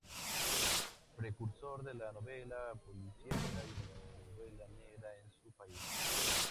Precursor de la novela policíaca y novela negra en su país.